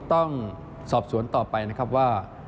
ต้องสอบสวนต่อไปว่า